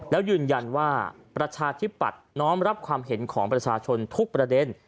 แล้วยืนยันว่าประชาธิปัตย์น้อมรับความเห็นของประชาชนทุกประเด็น